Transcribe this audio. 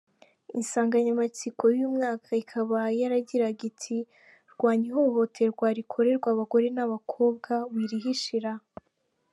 Insanganyamatsiko y’uyu mwaka ikaba yaragiraga iti “Rwanya ihohoterwa rikorerwa abagore n’abakobwa wirihishira.